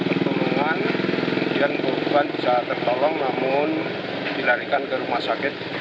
pertolongan kemudian korban bisa tertolong namun dilarikan ke rumah sakit